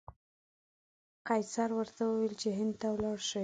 قیصر ورته وویل چې هند ته ولاړ شي.